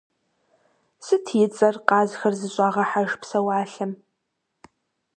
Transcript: Сыт и цӏэр къазхэр зыщӀагъэхьэж псэуалъэм?